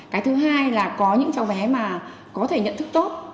cái thứ hai là có những cháu bé mà có thể nhận thức tốt